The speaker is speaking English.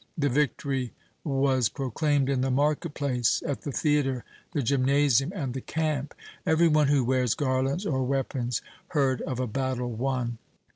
The victory was proclaimed in the market place, at the theatre, the gymnasium, and the camp. Every one who wears garlands or weapons heard of a battle won.